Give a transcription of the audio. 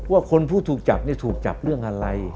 ว่าคนผู้ถูกจับเนี่ยถูกจับเรื่องอะไร